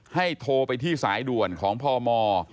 โทรไปที่สายด่วนของพม